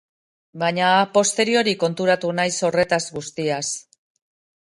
Baina a posteriori konturatu naiz horretaz guztiaz.